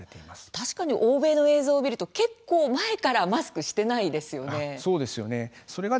確かに欧米の映像を見ると結構、前からマスクしてないですよね。